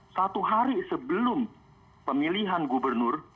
satu hari sebelum pemilihan gubernur